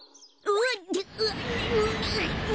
あっ？